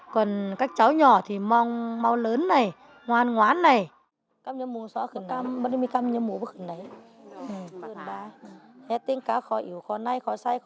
còn các cháu nhỏ thì mong mau lớn này ngoan ngoán này